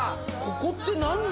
ここって何？